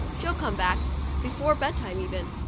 She'll come back, before bedtime even."